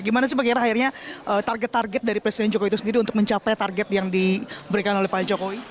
gimana sih pak kira akhirnya target target dari presiden jokowi itu sendiri untuk mencapai target yang diberikan oleh pak jokowi